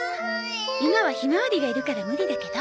今はひまわりがいるから無理だけど。